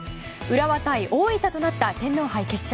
浦和対大分となった天皇杯決勝。